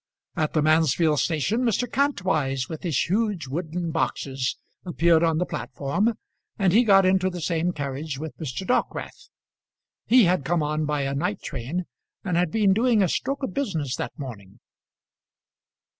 At the Mansfield station, Mr. Kantwise, with his huge wooden boxes, appeared on the platform, and he got into the same carriage with Mr. Dockwrath. He had come on by a night train, and had been doing a stroke of business that morning.